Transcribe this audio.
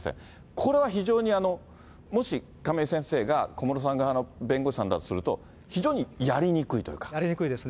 これは非常に、もし亀井先生が小室さん側の弁護士さんだとすると、やりにくいですね。